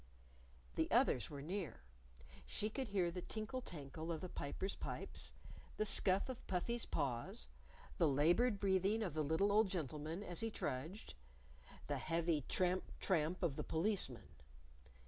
The others were near. She could hear the tinkle tankle of the Piper's pipes, the scuff of Puffy's paws, the labored breathing of the little old gentleman as he trudged, the heavy tramp, tramp of the Policeman.